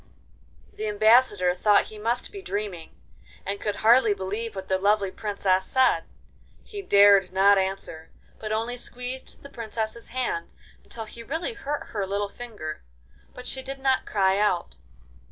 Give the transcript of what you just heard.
The Ambassador thought he must be dreaming, and could hardly believe what the lovely Princess said. He dared not answer, but only squeezed the Princess's hand until he really hurt her little finger, but she did not cry out.